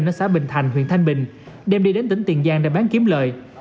ở xã bình thành huyện thanh bình đem đi đến tỉnh tiền giang để bán kiếm lời